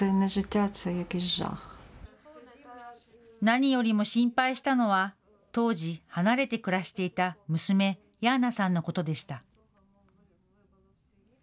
何よりも心配したのは当時、離れて暮らしていた娘、ヤーナさんのことでした。